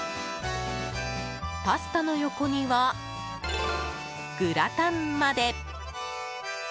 パスタの横にはグラタンまで。